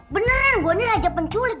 beneran gue nih aja penculik